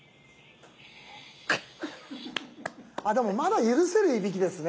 でもまだ許せるいびきですね。